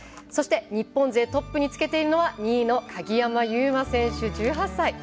そして日本勢トップにつけているのは２位の鍵山優真選手、１８歳。